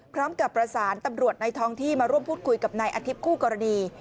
พร้อมกับประสานตำรวจในท้องที่มาร่วมพูดคุยกับนายอาทิตย์คู่กรณี